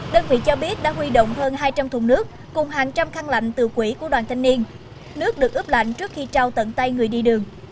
đơn vị cho biết đã huy động hơn hai trăm linh thùng nước cùng hàng trăm khăn lạnh từ quỹ của đoàn thanh niên nước được ướp lạnh trước khi trao tận tay người đi đường